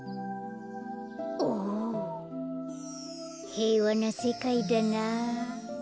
へいわなせかいだな。